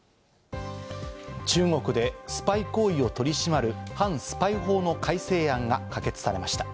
中国でスパイ行為を取り締まる反スパイ法の改正案が可決されました。